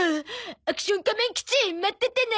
アクション仮面基地待っててね。